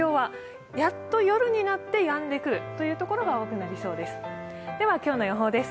やっと夜になってやんでくるというところが多くなりそうです。